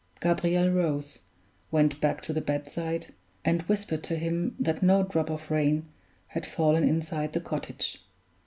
Gabriel rose, went back to the bedside, and whispered to him that no drop of rain had fallen inside the cottage.